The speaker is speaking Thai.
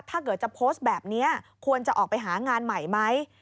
ถ้าเกิดจะโพสต์แบบนี้ควรจะออกไปหางานใหม่ไหม